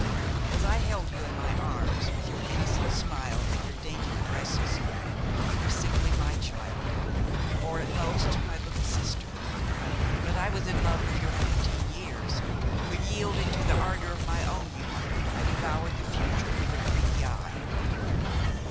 As I held you in my arms, with your innocent smile and your dainty caresses, you were simply my child, or at most my little sister; but I was in love with your fifteen years, when, yielding to the ardor of my own youth, I devoured the future with a greedy eye.